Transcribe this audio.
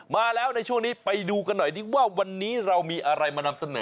มาแล้วในช่วงนี้ไปดูกันหน่อยดีกว่าวันนี้เรามีอะไรมานำเสนอ